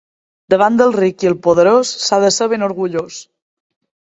Davant del ric i el poderós, s'ha de ser ben orgullós.